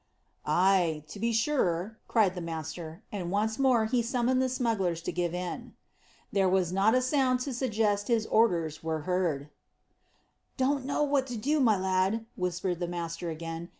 "Ay, to be sure," cried the master; and once more he summoned the smugglers to give in. There was not a sound to suggest that his orders were heard. "Don't know what to do, my lad," whispered the master again.